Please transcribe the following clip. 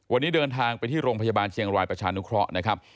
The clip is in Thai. วันนี้เดินทางไปที่โรงพยาบาลเชียงรายประชานุเคราะห์นะครับ